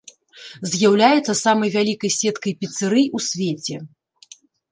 З'яўляецца самай вялікай сеткай піцэрый у свеце.